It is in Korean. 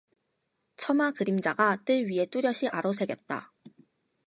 처마 그림자가 뜰 위에 뚜렷이 아로새겼다.